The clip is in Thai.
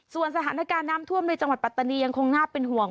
ส่วนสถานการณ์น้ำท่วมในจังหวัดปัตตานียังคงน่าเป็นห่วง